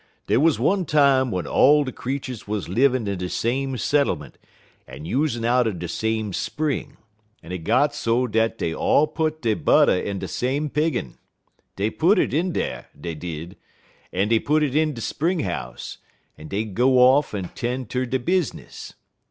Dey wuz one time w'en all de creeturs wuz livin' in de same settlement en usin' out'n de same spring, en it got so dat dey put all dey butter in de same piggin'. Dey put it in dar, dey did, en dey put it in de spring house, en dey'd go off en 'ten' ter dey business.